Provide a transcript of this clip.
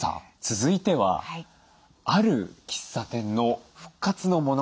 続いてはある喫茶店の復活の物語です。